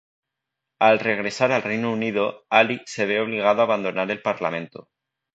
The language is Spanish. Al regresar al Reino Unido, Ali se ve obligado a abandonar el parlamento.